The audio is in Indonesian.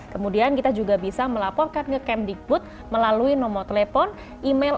kemudian kita juga bisa melaporkan ke kemdikbud melalui nomor telepon email